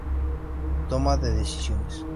Toma de decisiones.